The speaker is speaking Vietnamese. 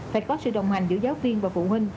phải có sự đồng hành giữa giáo viên và phụ huynh